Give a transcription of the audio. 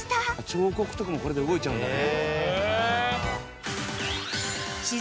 「彫刻とかもこれで動いちゃうんだね」